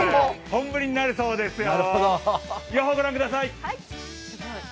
本降りになるそうですよ。